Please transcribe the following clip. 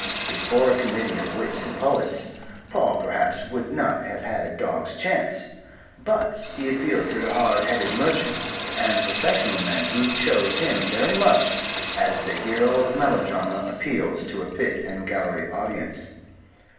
Before a committee of wits and poets, Paul perhaps would not have had a dog's chance. But he appealed to the hard headed merchants and professional men who chose him very much as the hero of melodrama appeals to a pit and gallery audience.